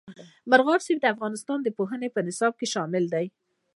مورغاب سیند د افغانستان د پوهنې نصاب کې شامل دی.